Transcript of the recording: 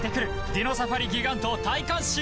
ディノサファリギガントを体感しよう！